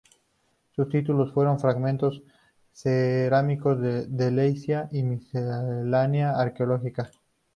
Sus títulos fueron: "Fragmentos cerámicos de Decelia" y "Miscelánea arqueológica".